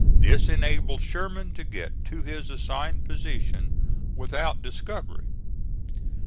This enabled Sherman to get to his assigned position without discovery.